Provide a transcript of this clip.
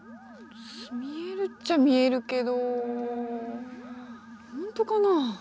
見えるっちゃ見えるけど本当かな？